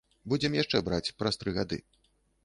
Будзем яшчэ браць праз тры гады.